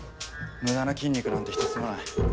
無駄な筋肉なんてひとつもない。